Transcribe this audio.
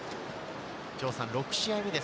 ６試合目です。